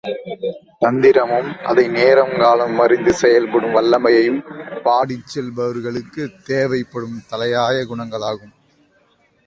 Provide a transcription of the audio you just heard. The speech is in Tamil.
தந்திரமும், அதை நேரங்காலம் அறிந்து செயல்படும் வல்லமையும், பாடிச்செல்பவருக்குத் தேவைப்படும் தலையாய குணங்களாகும்.